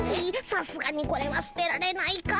さすがにこれは捨てられないか。